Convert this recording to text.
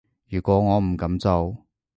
如果我唔噉做